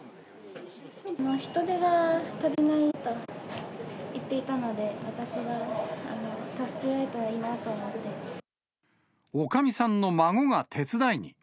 人手が足りないと言っていたので、おかみさんの孫が手伝いに。